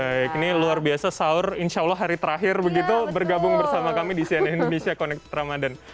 baik ini luar biasa sahur insya allah hari terakhir begitu bergabung bersama kami di cnn indonesia connected ramadan